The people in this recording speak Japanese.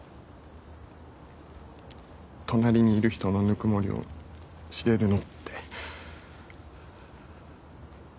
隣にいる人のぬくもりを知れるのって。